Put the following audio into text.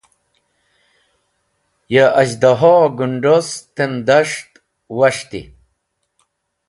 Ya az̃hdaho-e gũd̃os tem das̃ht was̃hti.